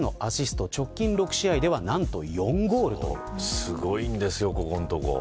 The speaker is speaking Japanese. すごいですよ、ここのところ。